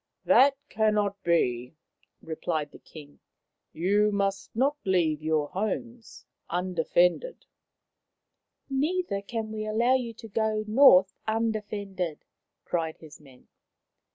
" That cannot be," replied the King. " You must not leave your homes undefended." " Neither can we allow you to go north un defended," cried his men.